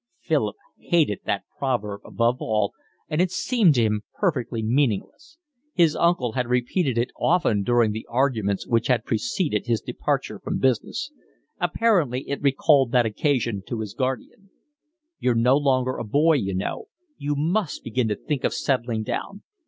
Philip hated that proverb above all, and it seemed to him perfectly meaningless. His uncle had repeated it often during the arguments which had preceded his departure from business. Apparently it recalled that occasion to his guardian. "You're no longer a boy, you know; you must begin to think of settling down.